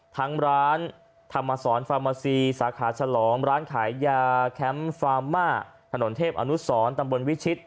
ทั้งร้านธรรมสรฟามาซีสาขาฉลองร้านขายยาแคมป์ฟาร์ม่าถนนเทพอนุสรตำบลวิชิต